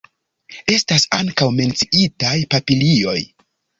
Estas ankaŭ menciitaj papilioj.